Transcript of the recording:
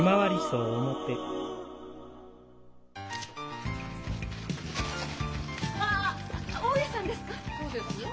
そうですよ。